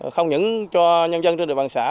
không những cho nhân dân trên địa bàn xã